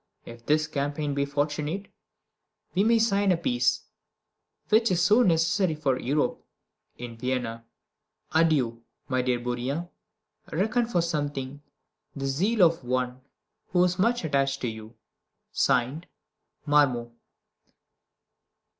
If this campaign be fortunate, we may sign a peace, which is so necessary for Europe, in Vienna. Adieu, my dear Bourrienne: reckon for something the zeal of one who is much attached to you. (Signed) MARMONT.